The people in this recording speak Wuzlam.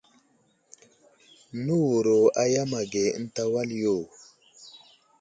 Nəwuro a yam age ənta wal yo.